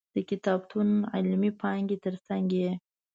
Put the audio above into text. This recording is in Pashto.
د کتابتون علمي پانګې تر څنګ یې.